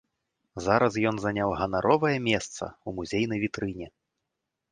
Зараз ён заняў ганаровае месца ў музейнай вітрыне.